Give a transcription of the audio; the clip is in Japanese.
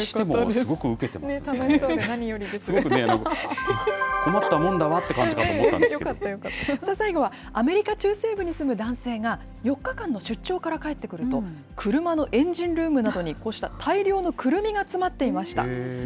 すごく、困ったもんだわとい最後はアメリカ中西部に住む男性が、４日間の出張から帰ってくると、車のエンジンルームなどに、こうした大量のクルミが詰まっていました。